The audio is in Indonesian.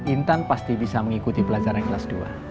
intan pasti bisa mengikuti pelajaran kelas dua